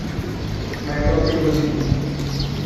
Ma è proprio così?